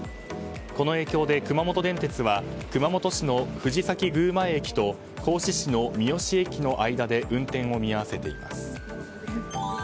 この影響で熊本電鉄は藤崎宮前駅と合志市の御代志駅の間で運転を見合わせています。